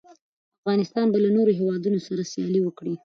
افغانستان به له نورو هېوادونو سره سیالي وکړي.